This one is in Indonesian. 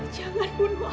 jangan bunuh afif